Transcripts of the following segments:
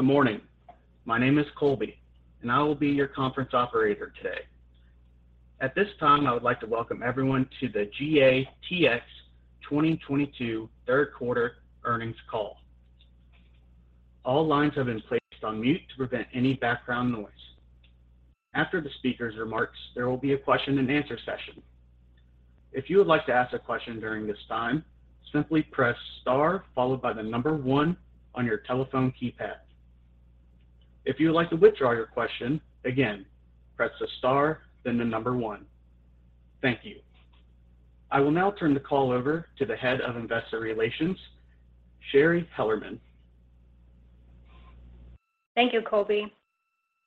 Good morning. My name is Colby, and I will be your conference operator today. At this time, I would like to welcome everyone to the GATX 2022 third quarter earnings call. All lines have been placed on mute to prevent any background noise. After the speakers' remarks, there will be a question and answer session. If you would like to ask a question during this time, simply press star followed by the number one on your telephone keypad. If you would like to withdraw your question, again, press the star then the number one. Thank you. I will now turn the call over to the Head of Investor Relations, Shari Hellerman. Thank you, Colby.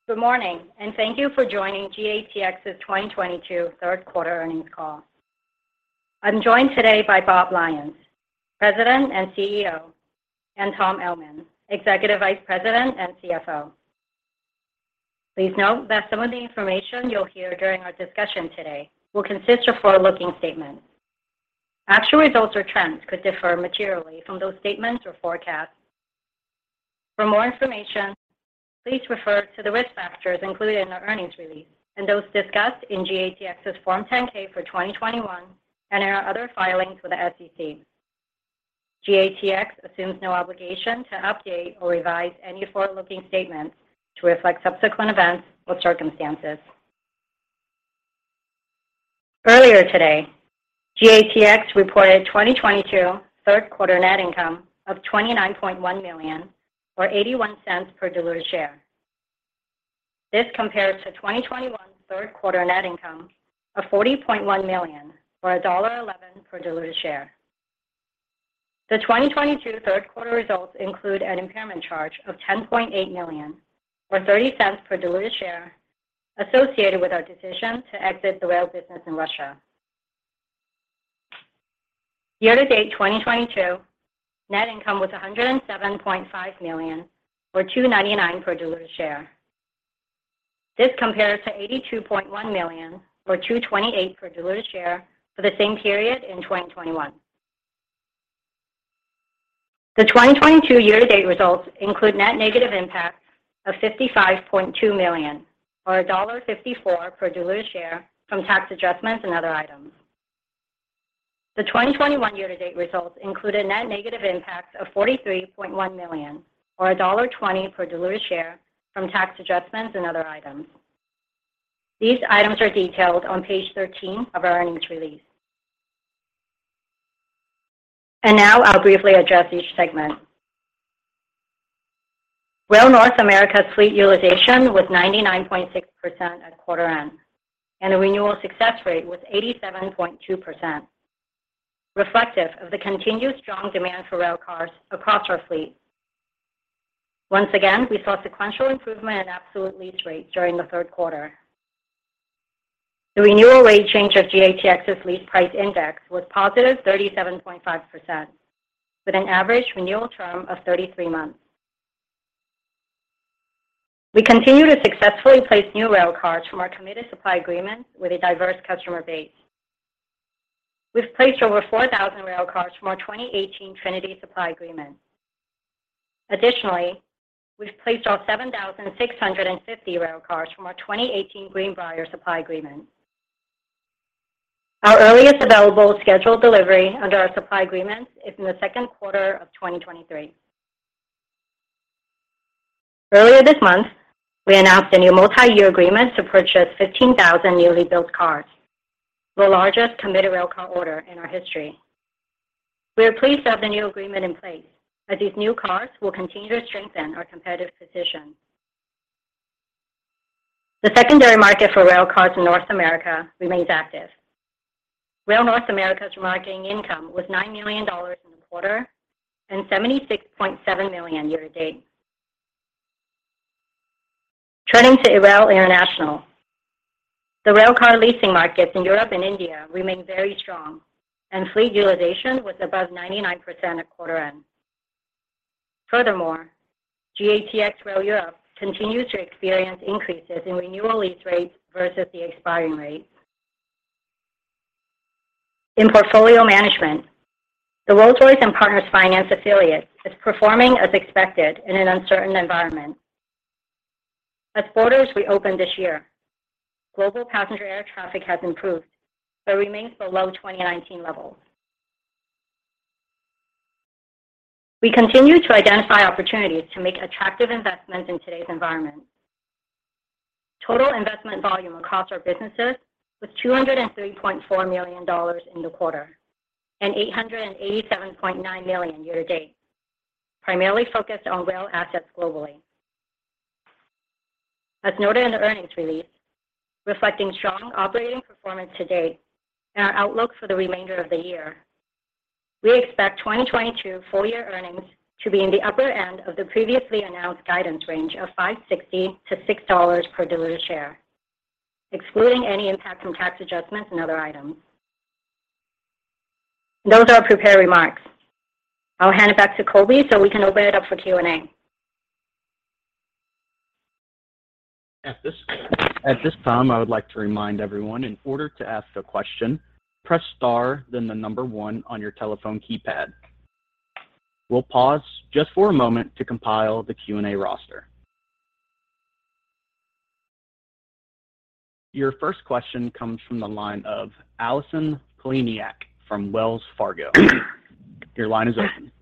Good morning, and thank you for joining GATX's 2022 third quarter earnings call. I'm joined today by Bob Lyons, President and CEO, and Tom Ellman, Executive Vice President and CFO. Please note that some of the information you'll hear during our discussion today will consist of forward-looking statements. Actual results or trends could differ materially from those statements or forecasts. For more information, please refer to the risk factors included in our earnings release and those discussed in GATX's Form 10-K for 2021 and in our other filings with the SEC. GATX assumes no obligation to update or revise any forward-looking statements to reflect subsequent events or circumstances. Earlier today, GATX reported 2022 third quarter net income of $29.1 million or $0.81 per diluted share. This compares to 2021 third quarter net income of $40.1 million or $1.11 per diluted share. The 2022 third quarter results include an impairment charge of $10.8 million or $0.30 per diluted share associated with our decision to exit the rail business in Russia. Year-to-date 2022, net income was $107.5 million or $2.99 per diluted share. This compares to $82.1 million or $2.28 per diluted share for the same period in 2021. The 2022 year-to-date results include net negative impact of $55.2 million or $1.54 per diluted share from tax adjustments and other items. The 2021 year-to-date results include a net negative impact of $43.1 million or $1.20 per diluted share from tax adjustments and other items. These items are detailed on page 13 of our earnings release. Now I'll briefly address each segment. Rail North America's fleet utilization was 99.6% at quarter end, and the renewal success rate was 87.2%, reflective of the continued strong demand for railcars across our fleet. Once again, we saw sequential improvement in absolute lease rates during the third quarter. The renewal rate change of GATX's lease price index was positive 37.5% with an average renewal term of 33 months. We continue to successfully place new railcars from our committed supply agreement with a diverse customer base. We've placed over 4,000 railcars from our 2018 Trinity supply agreement. Additionally, we've placed our 7,650 railcars from our 2018 Greenbrier supply agreement. Our earliest available scheduled delivery under our supply agreement is in the second quarter of 2023. Earlier this month, we announced a new multi-year agreement to purchase 15,000 newly built cars, the largest committed railcar order in our history. We are pleased to have the new agreement in place, as these new cars will continue to strengthen our competitive position. The secondary market for railcars in North America remains active. Rail North America's remarketing income was $9 million in the quarter and $76.7 million year to date. Turning to Rail International, the railcar leasing markets in Europe and India remain very strong and fleet utilization was above 99% at quarter end. Furthermore, GATX Rail Europe continues to experience increases in renewal lease rates versus the expiring rate. In Portfolio Management, the Rolls-Royce & Partners Finance affiliate is performing as expected in an uncertain environment. As borders reopen this year, global passenger air traffic has improved but remains below 2019 levels. We continue to identify opportunities to make attractive investments in today's environment. Total investment volume across our businesses was $203.4 million in the quarter and $887.9 million year to date, primarily focused on rail assets globally. As noted in the earnings release, reflecting strong operating performance to date and our outlook for the remainder of the year, we expect 2022 full year earnings to be in the upper end of the previously announced guidance range of $5.60-$6 per diluted share, excluding any impact from tax adjustments and other items. Those are our prepared remarks. I'll hand it back to Colby so we can open it up for Q&A. At this time, I would like to remind everyone in order to ask a question, press star then the number one on your telephone keypad. We'll pause just for a moment to compile the Q&A roster. Your first question comes from the line of Allison Poliniak-Cusic from Wells Fargo. Your line is open.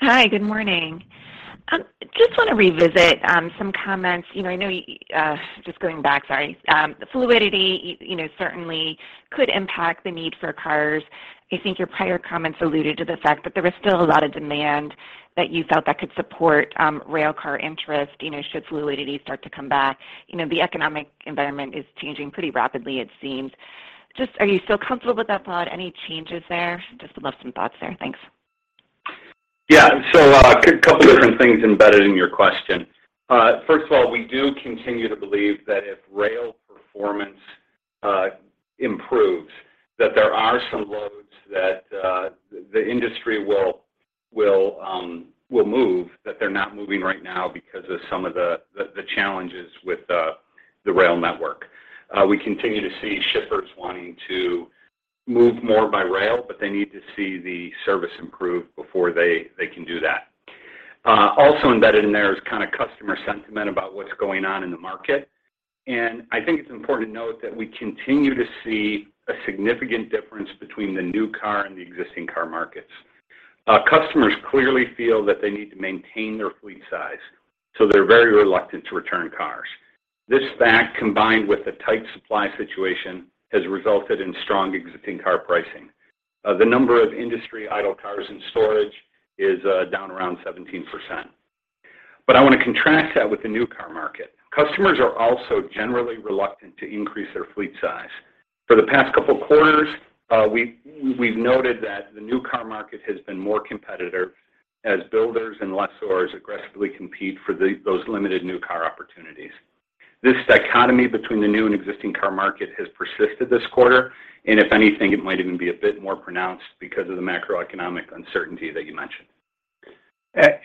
Hi, good morning. Just want to revisit some comments. You know, I know just going back, sorry. Fluidity, you know, certainly could impact the need for cars. I think your prior comments alluded to the fact that there was still a lot of demand that you felt that could support rail car interest, you know, should fluidity start to come back. You know, the economic environment is changing pretty rapidly, it seems. Just, are you still comfortable with that thought? Any changes there? Just would love some thoughts there. Thanks. Yeah. Couple different things embedded in your question. First of all, we do continue to believe that if rail performance improves, that there are some loads that the industry will move that they're not moving right now because of some of the challenges with the rail network. We continue to see shippers wanting to move more by rail, but they need to see the service improve before they can do that. Also embedded in there is kind of customer sentiment about what's going on in the market. I think it's important to note that we continue to see a significant difference between the new car and the existing car markets. Customers clearly feel that they need to maintain their fleet size, so they're very reluctant to return cars. This fact, combined with the tight supply situation, has resulted in strong existing car pricing. The number of industry idle cars in storage is down around 17%. I want to contrast that with the new car market. Customers are also generally reluctant to increase their fleet size. For the past couple quarters, we've noted that the new car market has been more competitive as builders and lessors aggressively compete for those limited new car opportunities. This dichotomy between the new and existing car market has persisted this quarter, and if anything, it might even be a bit more pronounced because of the macroeconomic uncertainty that you mentioned.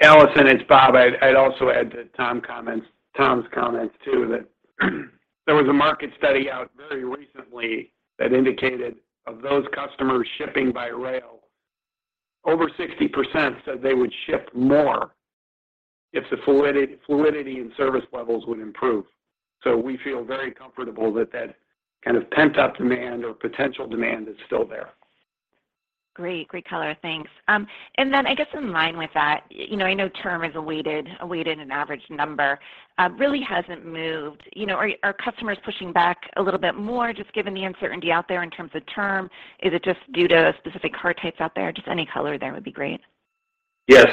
Allison, it's Bob. I'd also add to Tom's comments too that there was a market study out very recently that indicated of those customers shipping by rail, over 60% said they would ship more if the fluidity in service levels would improve. We feel very comfortable that that kind of pent-up demand or potential demand is still there. Great. Great color. Thanks. I guess in line with that, you know, I know term is a weighted average number, really hasn't moved. You know, are customers pushing back a little bit more just given the uncertainty out there in terms of term? Is it just due to specific car types out there? Just any color there would be great. Yeah.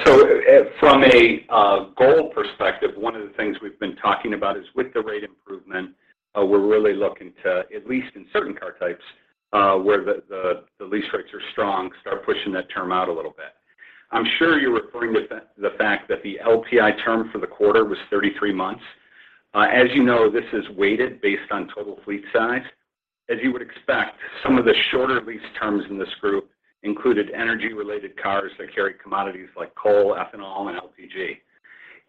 From a goal perspective, one of the things we've been talking about is with the rate improvement, we're really looking to, at least in certain car types, where the lease rates are strong, start pushing that term out a little bit. I'm sure you're referring to the fact that the LPI term for the quarter was 33 months. As you know, this is weighted based on total fleet size. As you would expect, some of the shorter lease terms in this group included energy-related cars that carry commodities like coal, ethanol, and LPG.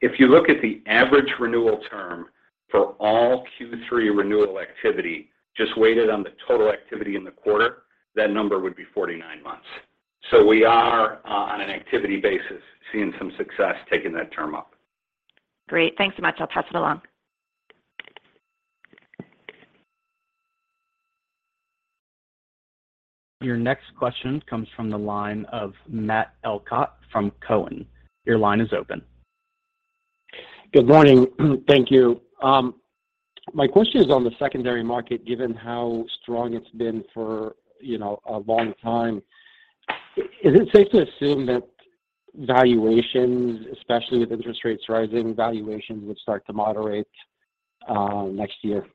If you look at the average renewal term for all Q3 renewal activity just weighted on the total activity in the quarter, that number would be 49 months. We are, on an activity basis, seeing some success taking that term up. Great. Thanks so much. I'll pass it along. Your next question comes from the line of Matt Elkott from Cowen. Your line is open. Good morning. Thank you. My question is on the secondary market, given how strong it's been for, you know, a long time, is it safe to assume that valuations, especially with interest rates rising, valuations would start to moderate next year? Yes.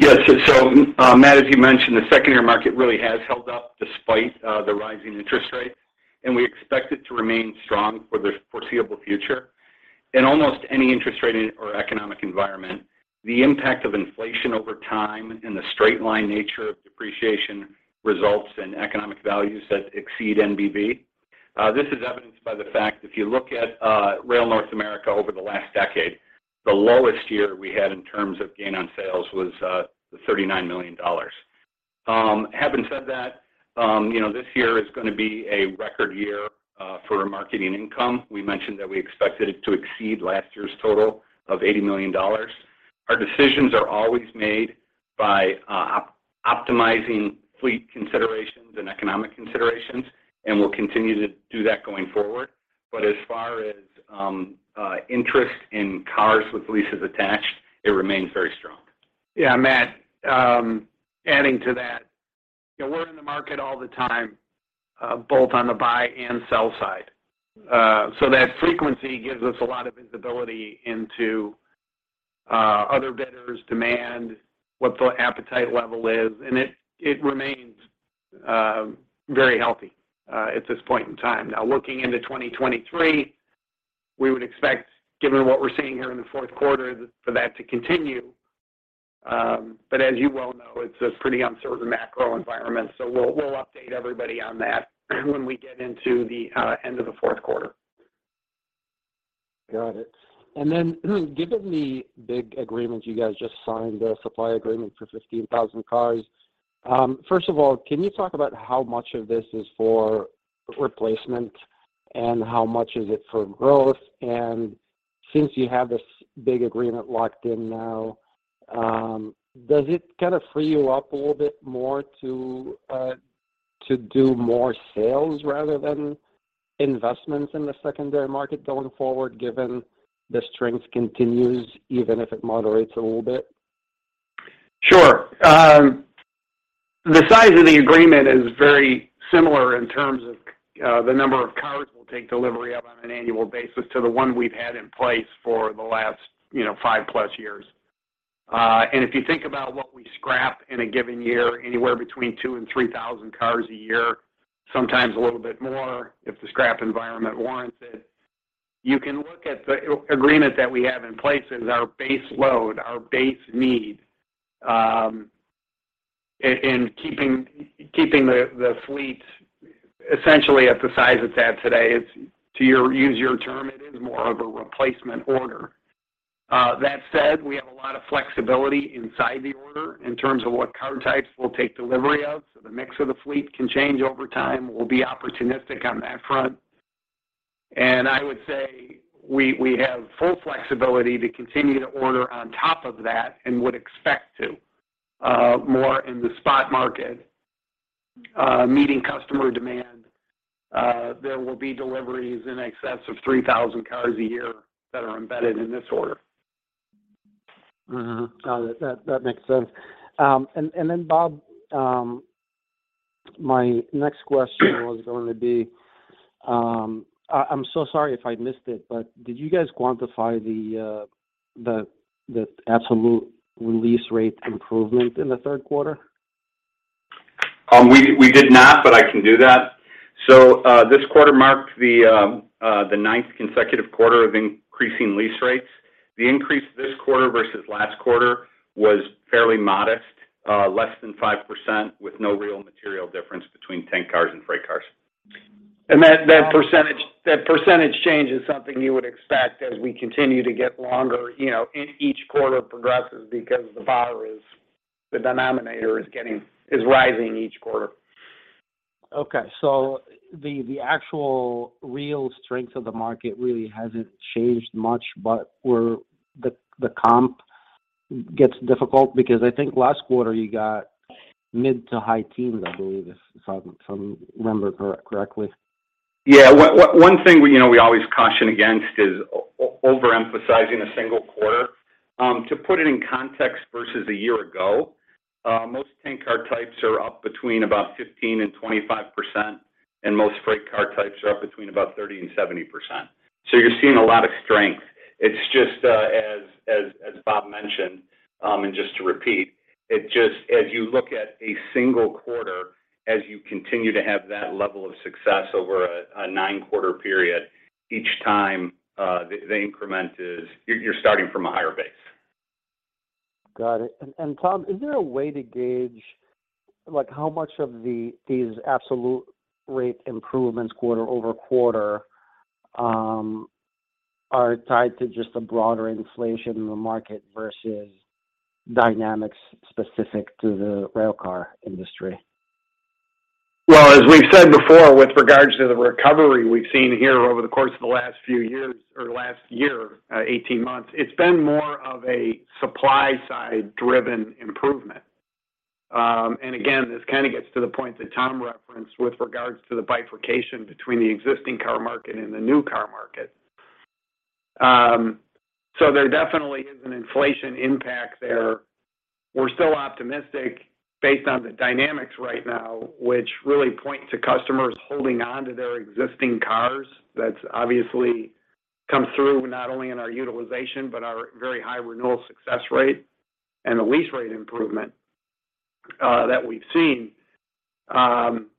Matt, as you mentioned, the secondary market really has held up despite the rising interest rates, and we expect it to remain strong for the foreseeable future. In almost any interest rate or economic environment, the impact of inflation over time and the straight line nature of depreciation results in economic values that exceed NBV. This is evidenced by the fact, if you look at Rail North America over the last decade, the lowest year we had in terms of gain on sales was $39 million. Having said that, you know, this year is going to be a record year for our remarketing income. We mentioned that we expected it to exceed last year's total of $80 million. Our decisions are always made by optimizing fleet considerations and economic considerations, and we'll continue to do that going forward. As far as interest in cars with leases attached, it remains very strong. Yeah, Matt, adding to that, you know, we're in the market all the time, both on the buy and sell side. That frequency gives us a lot of visibility into other bidders, demand, what the appetite level is, and it remains very healthy at this point in time. Now, looking into 2023, we would expect, given what we're seeing here in the fourth quarter, for that to continue. As you well know, it's a pretty uncertain macro environment, so we'll update everybody on that when we get into the end of the fourth quarter. Got it. Given the big agreement you guys just signed, the supply agreement for 15,000 cars, first of all, can you talk about how much of this is for replacement and how much is it for growth? Since you have this big agreement locked in now, does it kind of free you up a little bit more to do more sales rather than investments in the secondary market going forward, given the strength continues even if it moderates a little bit? Sure. The size of the agreement is very similar in terms of the number of cars we'll take delivery of on an annual basis to the one we've had in place for the last, you know, five plus years. If you think about what we scrap in a given year, anywhere between 2,000-3,000 cars a year, sometimes a little bit more if the scrap environment warrants it, you can look at the agreement that we have in place as our base load, our base need, in keeping the fleet essentially at the size it's at today. It's, to use your term, it is more of a replacement order. That said, we have a lot of flexibility inside the order in terms of what car types we'll take delivery of, so the mix of the fleet can change over time. We'll be opportunistic on that front. I would say we have full flexibility to continue to order on top of that and would expect to do more in the spot market, meeting customer demand. There will be deliveries in excess of 3,000 cars a year that are embedded in this order. Got it. That makes sense. Bob, my next question was going to be, I'm so sorry if I missed it, but did you guys quantify the absolute lease rate improvement in the third quarter? We did not, but I can do that. This quarter marked the ninth consecutive quarter of increasing lease rates. The increase this quarter versus last quarter was fairly modest, less than 5% with no real material difference between tank cars and freight cars. That percentage change is something you would expect as we continue to get longer, you know, each quarter progresses because the denominator is rising each quarter. Okay. The actual real strength of the market really hasn't changed much, but where the comp gets difficult because I think last quarter you got mid- to high-teens%, I believe, if I remember correctly. Yeah. One thing, you know, we always caution against is overemphasizing a single quarter. To put it in context versus a year ago, most tank car types are up between about 15%-25%, and most freight car types are up between about 30%-70%. You're seeing a lot of strength. It's just, as Bob mentioned, and just to repeat, it just as you look at a single quarter, as you continue to have that level of success over a nine-quarter period, each time, the increment is you're starting from a higher base. Got it. Tom, is there a way to gauge, like, how much of these absolute rate improvements quarter-over-quarter are tied to just the broader inflation in the market versus dynamics specific to the railcar industry? Well, as we've said before, with regards to the recovery we've seen here over the course of the last few years or the last year, 18 months, it's been more of a supply side driven improvement. Again, this kind of gets to the point that Tom referenced with regards to the bifurcation between the existing car market and the new car market. There definitely is an inflation impact there. We're still optimistic based on the dynamics right now, which really point to customers holding on to their existing cars. That's obviously come through not only in our utilization, but our very high renewal success rate and the lease rate improvement that we've seen.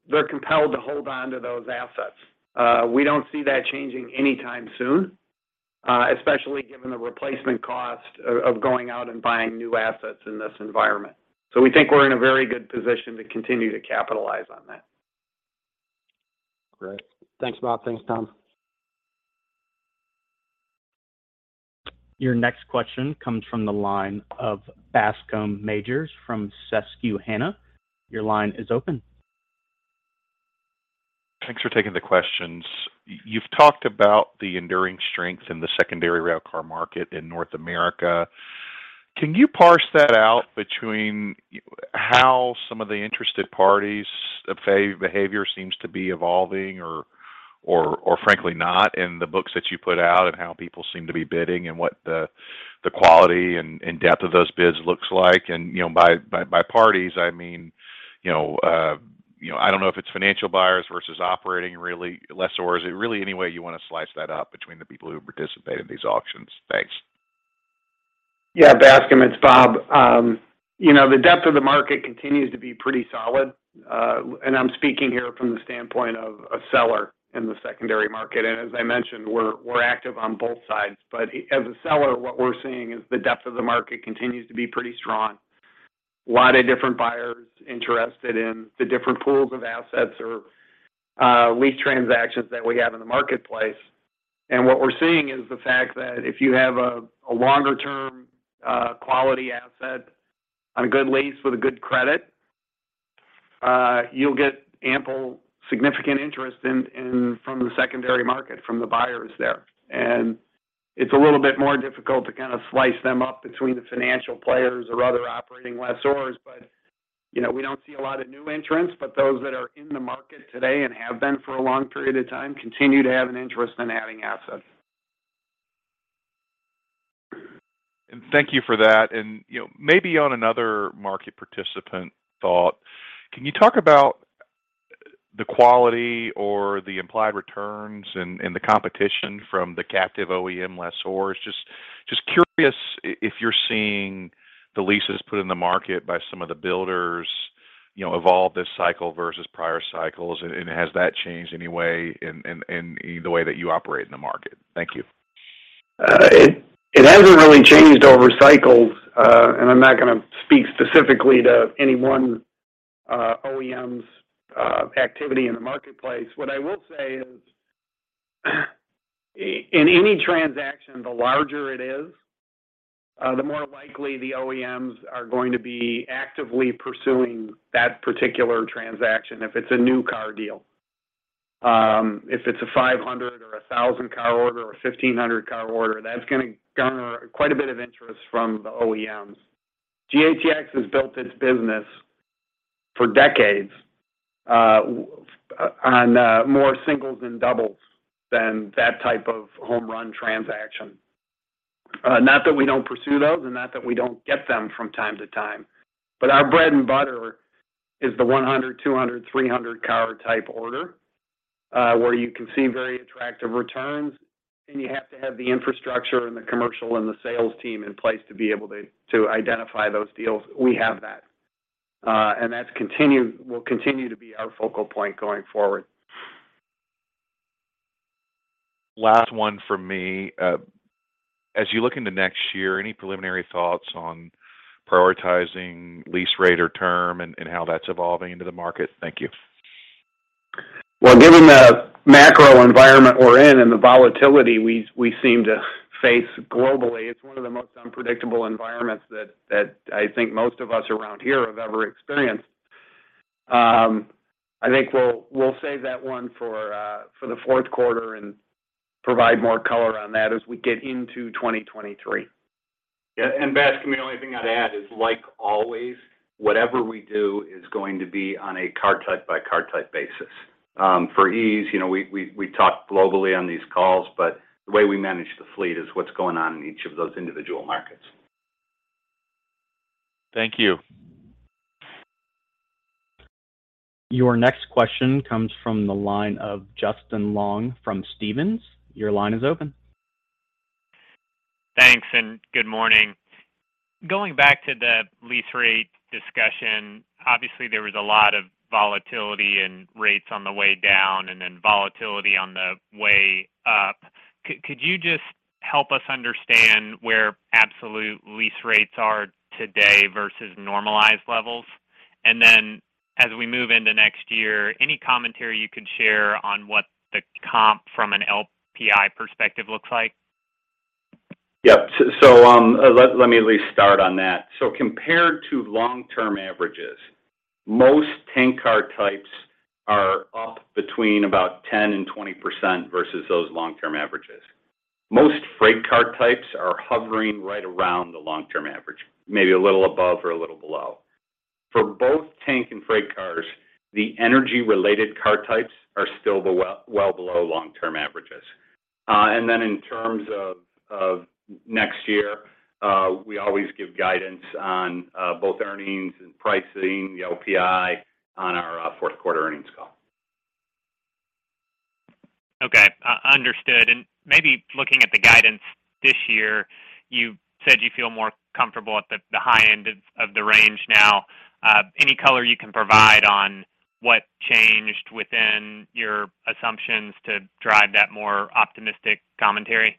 They're compelled to hold on to those assets. We don't see that changing anytime soon, especially given the replacement cost of going out and buying new assets in this environment. We think we're in a very good position to continue to capitalize on that. Great. Thanks, Bob. Thanks, Tom. Your next question comes from the line of Bascome Majors from Susquehanna. Your line is open. Thanks for taking the questions. You've talked about the enduring strength in the secondary railcar market in North America. Can you parse that out between how some of the interested parties' behavior seems to be evolving or frankly not in the books that you put out and how people seem to be bidding and what the quality and depth of those bids looks like? You know, by parties, I mean, you know, I don't know if it's financial buyers versus operating rail lessors. Really, any way you want to slice that up between the people who participate in these auctions. Thanks. Yeah, Bascome, it's Bob. You know, the depth of the market continues to be pretty solid. I'm speaking here from the standpoint of a seller in the secondary market. As I mentioned, we're active on both sides. As a seller, what we're seeing is the depth of the market continues to be pretty strong. A lot of different buyers interested in the different pools of assets or lease transactions that we have in the marketplace. What we're seeing is the fact that if you have a longer term quality asset on a good lease with a good credit, you'll get ample significant interest from the secondary market, from the buyers there. It's a little bit more difficult to kind of slice them up between the financial players or other operating lessors. You know, we don't see a lot of new entrants, but those that are in the market today and have been for a long period of time, continue to have an interest in adding assets. Thank you for that. You know, maybe on another market participant thought, can you talk about the quality or the implied returns and the competition from the captive OEM lessors? Just curious if you're seeing the leases put in the market by some of the builders, you know, evolve this cycle versus prior cycles, and has that changed any way in the way that you operate in the market? Thank you. It hasn't really changed over cycles. I'm not gonna speak specifically to any one OEM's activity in the marketplace. What I will say is, in any transaction, the larger it is, the more likely the OEMs are going to be actively pursuing that particular transaction if it's a new car deal. If it's a 500 or a 1,000 car order or 1,500 car order, that's gonna garner quite a bit of interest from the OEMs. GATX has built its business for decades on more singles and doubles than that type of home run transaction. Not that we don't pursue those, and not that we don't get them from time to time, but our bread and butter is the 100, 200, 300 car type order, where you can see very attractive returns, and you have to have the infrastructure and the commercial and the sales team in place to be able to identify those deals. We have that. That will continue to be our focal point going forward. Last one from me. As you look into next year, any preliminary thoughts on prioritizing lease rate or term and how that's evolving into the market? Thank you. Well, given the macro environment we're in and the volatility we seem to face globally, it's one of the most unpredictable environments that I think most of us around here have ever experienced. I think we'll save that one for the fourth quarter and provide more color on that as we get into 2023. Yeah, Bascome Majors, the only thing I'd add is, like always, whatever we do is going to be on a car type by car type basis. For ease, you know, we talk globally on these calls, but the way we manage the fleet is what's going on in each of those individual markets. Thank you. Your next question comes from the line of Justin Long from Stephens. Your line is open. Thanks, good morning. Going back to the lease rate discussion, obviously, there was a lot of volatility in rates on the way down and then volatility on the way up. Could you just help us understand where absolute lease rates are today versus normalized levels? And then as we move into next year, any commentary you could share on what the comp from an LPI perspective looks like? Yeah. Let me at least start on that. Compared to long-term averages, most tank car types are up between about 10%-20% versus those long-term averages. Most freight car types are hovering right around the long-term average, maybe a little above or a little below. For both tank and freight cars, the energy-related car types are still well below long-term averages. In terms of next year, we always give guidance on both earnings and pricing the LPI on our fourth quarter earnings call. Okay. Understood. Maybe looking at the guidance this year, you said you feel more comfortable at the high end of the range now. Any color you can provide on what changed within your assumptions to drive that more optimistic commentary?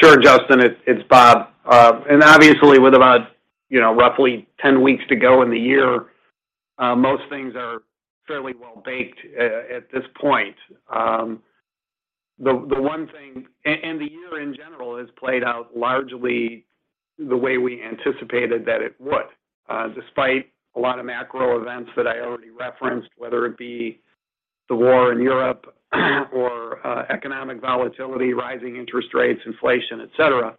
Sure, Justin, it's Bob. Obviously with about, you know, roughly 10 weeks to go in the year, most things are fairly well baked at this point. The year in general has played out largely the way we anticipated that it would, despite a lot of macro events that I already referenced, whether it be the war in Europe or economic volatility, rising interest rates, inflation, et cetera.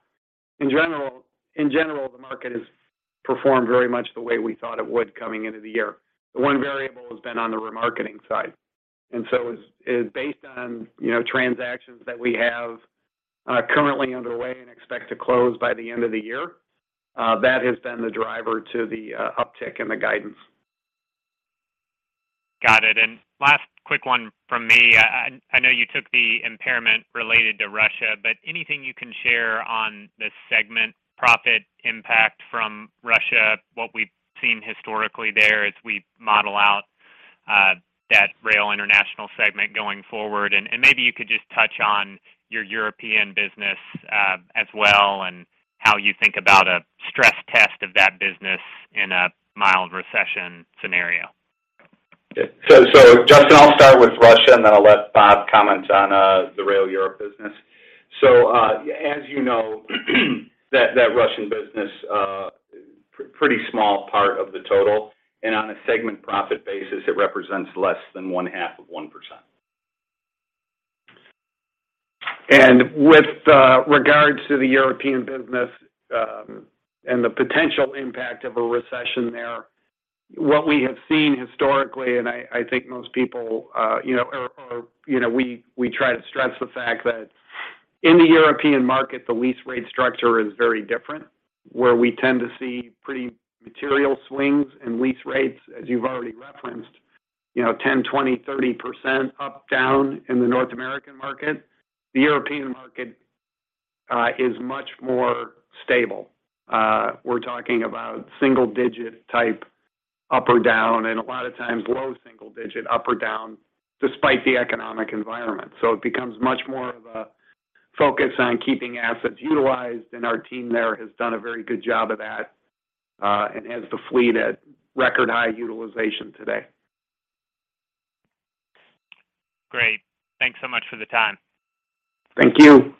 In general, the market has performed very much the way we thought it would coming into the year. The one variable has been on the remarketing side. As based on, you know, transactions that we have currently underway and expect to close by the end of the year, that has been the driver to the uptick in the guidance. Got it. Last quick one from me. I know you took the impairment related to Russia, but anything you can share on the segment profit impact from Russia, what we've seen historically there as we model out that Rail International segment going forward? Maybe you could just touch on your European business as well, and how you think about a stress test of that business in a mild recession scenario. Justin, I'll start with Russia, and then I'll let Bob comment on the Rail Europe business. As you know, that Russian business pretty small part of the total, and on a segment profit basis, it represents less than one half of 1%. With regards to the European business and the potential impact of a recession there, what we have seen historically, I think most people you know we try to stress the fact that in the European market, the lease rate structure is very different, where we tend to see pretty material swings in lease rates, as you've already referenced, you know, 10%, 20%, 30% up down in the North American market. The European market is much more stable. We're talking about single-digit type up or down, and a lot of times low single-digit up or down despite the economic environment. It becomes much more of a focus on keeping assets utilized, and our team there has done a very good job of that, and has the fleet at record-high utilization today. Great. Thanks so much for the time. Thank you.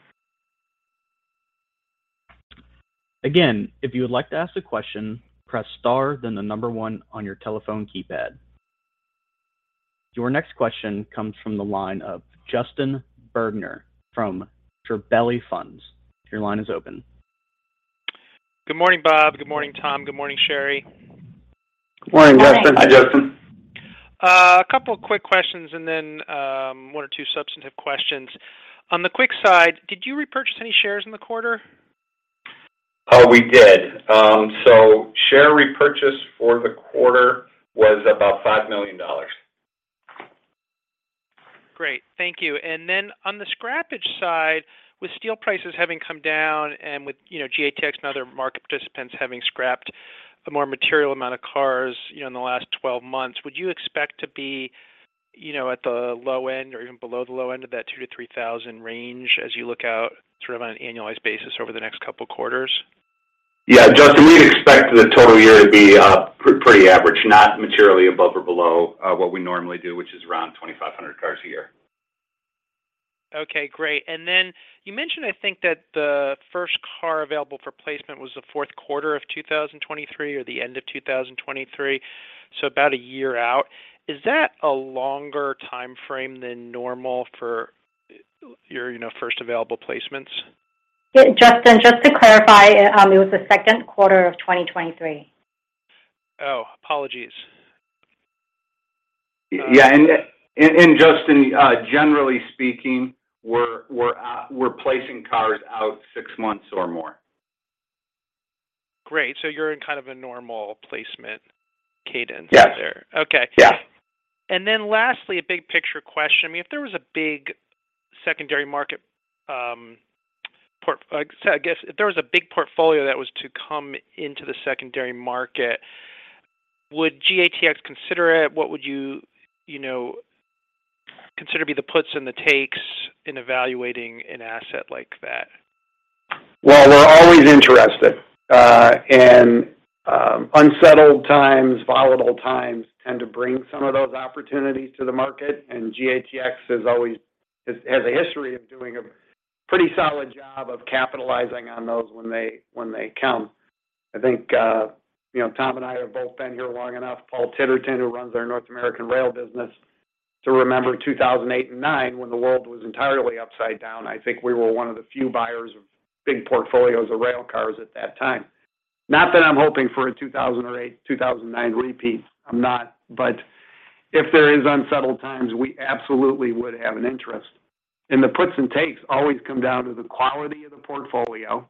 Again, if you would like to ask a question, press star, then the number one on your telephone keypad. Your next question comes from the line of Justin Bergner from Gabelli Funds. Your line is open. Good morning, Bob. Good morning, Tom. Good morning, Sherry. Morning, Justin. Morning. Hi, Justin. A couple quick questions and then, one or two substantive questions. On the quick side, did you repurchase any shares in the quarter? We did. Share repurchase for the quarter was about $5 million. Great. Thank you. On the scrappage side, with steel prices having come down and with, you know, GATX and other market participants having scrapped a more material amount of cars, you know, in the last 12 months, would you expect to be, you know, at the low end or even below the low end of that 2,000-3,000 range as you look out sort of on an annualized basis over the next couple quarters? Yeah, Justin, we'd expect the total year to be pretty average, not materially above or below what we normally do, which is around 2,500 cars a year. Okay, great. You mentioned, I think, that the first car available for placement was the fourth quarter of 2023 or the end of 2023, so about a year out. Is that a longer timeframe than normal for your, you know, first available placements? Justin, just to clarify, it was the second quarter of 2023. Oh, apologies. Yeah, Justin, generally speaking, we're placing cars out six months or more. Great. You're in kind of a normal placement cadence there. Yes. Okay. Yeah. Lastly, a big picture question. I mean, if there was a big secondary market, I guess if there was a big portfolio that was to come into the secondary market, would GATX consider it? What would you know, consider to be the puts and the takes in evaluating an asset like that? Well, we're always interested in unsettled times, volatile times tend to bring some of those opportunities to the market. GATX has a history of doing a pretty solid job of capitalizing on those when they come. I think, you know, Tom and I have both been here long enough, Paul Titterton, who runs our North American rail business, to remember 2008 and 2009 when the world was entirely upside down. I think we were one of the few buyers of big portfolios of rail cars at that time. Not that I'm hoping for a 2008, 2009 repeat. I'm not. If there is unsettled times, we absolutely would have an interest. The puts and takes always come down to the quality of the portfolio.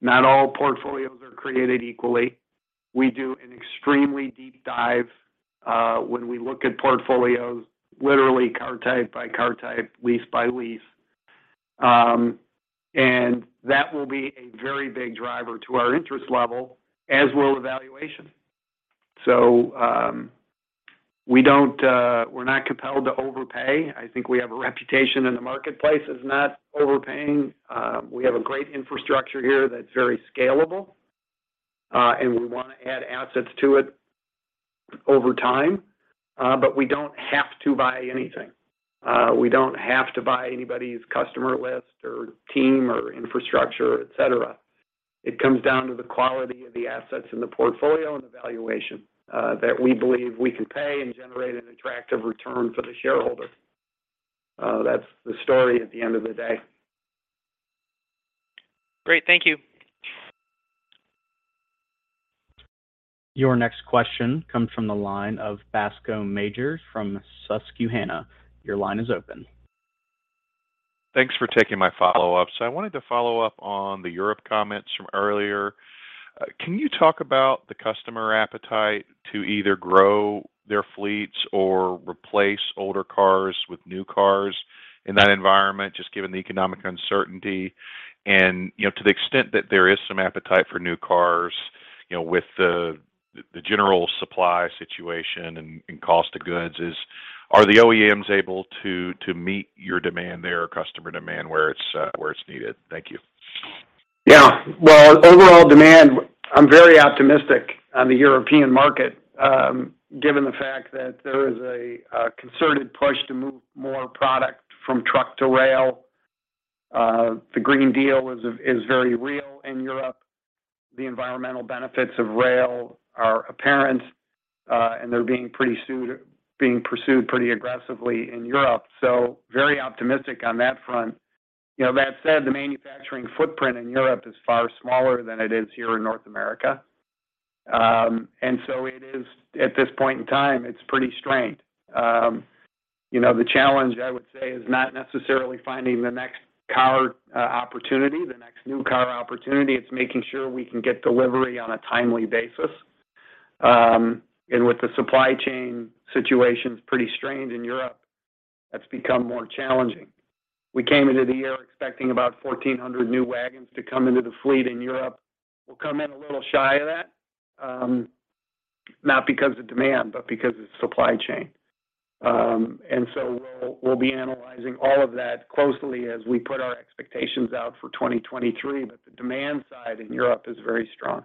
Not all portfolios are created equally. We do an extremely deep dive when we look at portfolios, literally car type by car type, lease by lease. That will be a very big driver to our interest level, as will evaluation. We're not compelled to overpay. I think we have a reputation in the marketplace as not overpaying. We have a great infrastructure here that's very scalable, and we wanna add assets to it over time. We don't have to buy anything. We don't have to buy anybody's customer list or team or infrastructure, et cetera. It comes down to the quality of the assets in the portfolio and the valuation that we believe we can pay and generate an attractive return for the shareholder. That's the story at the end of the day. Great. Thank you. Your next question comes from the line of Bascome Majors from Susquehanna. Your line is open. Thanks for taking my follow-up. I wanted to follow up on the Europe comments from earlier. Can you talk about the customer appetite to either grow their fleets or replace older cars with new cars in that environment, just given the economic uncertainty? You know, to the extent that there is some appetite for new cars, you know, with the general supply situation and cost of goods, are the OEMs able to meet your demand there, customer demand, where it's needed? Thank you. Yeah. Well, overall demand, I'm very optimistic on the European market, given the fact that there is a concerted push to move more product from truck to rail. The Green Deal is very real in Europe. The environmental benefits of rail are apparent, and they're being pursued pretty aggressively in Europe, so very optimistic on that front. You know, that said, the manufacturing footprint in Europe is far smaller than it is here in North America. It is at this point in time, it's pretty strained. You know, the challenge, I would say, is not necessarily finding the next car opportunity, the next new car opportunity, it's making sure we can get delivery on a timely basis. With the supply chain situation's pretty strained in Europe, that's become more challenging. We came into the year expecting about 1,400 new wagons to come into the fleet in Europe. We'll come in a little shy of that, not because of demand, but because of supply chain. We'll be analyzing all of that closely as we put our expectations out for 2023, but the demand side in Europe is very strong.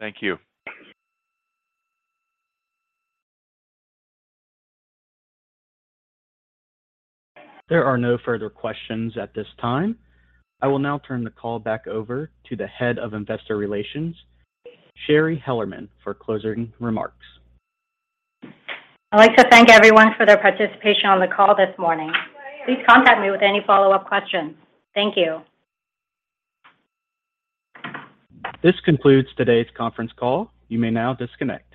Thank you. There are no further questions at this time. I will now turn the call back over to the Head of Investor Relations, Shari Hellerman, for closing remarks. I'd like to thank everyone for their participation on the call this morning. Please contact me with any follow-up questions. Thank you. This concludes today's conference call. You may now disconnect.